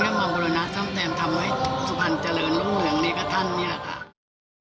และท่านก็มาบรรณาซ้ำแทนทำให้สุพรรณเจริญลูกมืออย่างนี้ก็ท่านนี่แหละค่ะ